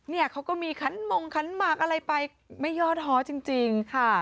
เนี่ยเขาก็มีขันหมงขันหมากอะไรไปไม่ยอดฮ้อจริงค่ะ